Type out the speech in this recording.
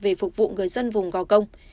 về phục vụ người dân vùng gò công